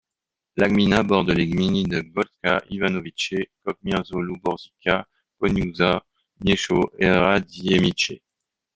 La gmina borde les gminy de Gołcza, Iwanowice, Kocmyrzów-Luborzyca, Koniusza, Miechów et Radziemice.